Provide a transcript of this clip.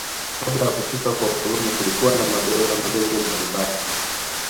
Kabla ya kufika kwa ukoloni kulikuwa na madola madogo mbalimbali